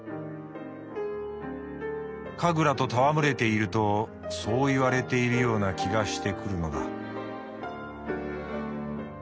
「カグラと戯れているとそう言われているような気がしてくるのだ」。